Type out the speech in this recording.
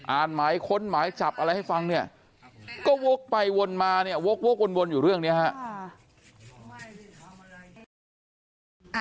อ่านหมายค้นหมายจับอะไรให้ฟังเนี่ยก็วกไปวนมาเนี่ยวกวนอยู่เรื่องนี้ฮะ